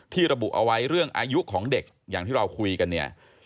ระบุเอาไว้เรื่องอายุของเด็กอย่างที่เราคุยกันเนี่ย